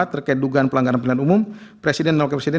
terkait dugaan pelanggaran pemilu dan wakil presiden